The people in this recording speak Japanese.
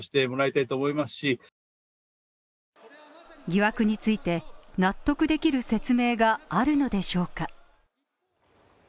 疑惑について納得できる説明があるのでしょうか？